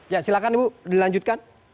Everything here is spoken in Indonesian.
ya silakan ibu dilanjutkan